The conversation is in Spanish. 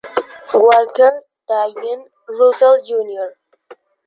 Walker Dwayne Russell Jr.